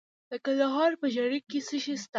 د کندهار په ژیړۍ کې څه شی شته؟